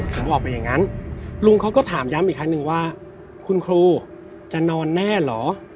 ผมบอกไปอย่างนั้นลุงเขาก็ถามย้ำอีกครั้งหนึ่งว่าคุณครูจะนอนแน่เหรอ